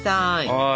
はい。